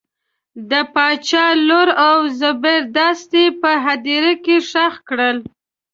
د باچا لور او زبردست یې په هدیره کې ښخ کړل.